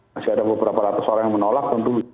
masih ada beberapa ratus orang yang menolak tentu